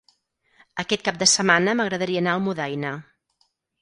Aquest cap de setmana m'agradaria anar a Almudaina.